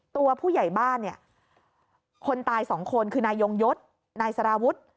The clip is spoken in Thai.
ตัวผู้ใหญ่บ้านเนี่ยคนตายสองคนคือนายยงยศนายสารวุฒิ